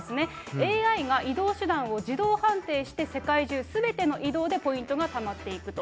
ＡＩが移動手段を自動判定して、世界中すべての移動でポイントがたまっていくと。